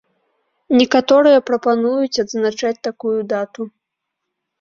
Некаторыя прапануюць адзначаць такую дату.